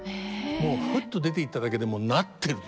もうふっと出ていっただけでもうなってる。